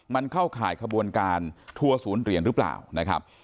มันเข้าข่ายขบวนการทัวร์ศูนย์เหรียญหรือเปล่านะครับ